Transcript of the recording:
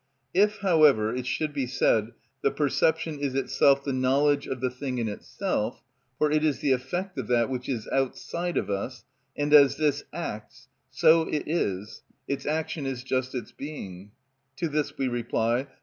If, however, it should be said: "The perception is itself the knowledge of the thing in itself: for it is the effect of that which is outside of us, and as this acts, so it is: its action is just its being;" to this we reply: (1.)